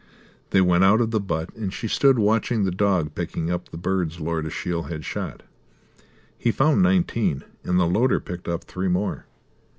They went out of the butt, and she stood watching the dog picking up the birds Lord Ashiel had shot. He found nineteen, and the loader picked up three more.